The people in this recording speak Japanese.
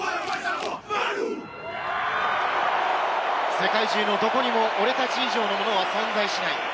世界中のどこにも俺たち以上のものは存在しない。